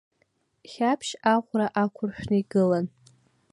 Хьаԥшь аӷәра ақәыршәны игылан.